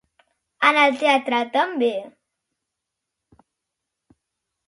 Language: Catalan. I en el teatral també?